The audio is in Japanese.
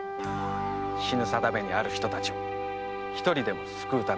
死ぬ定めにある人たちをひとりでも救うために。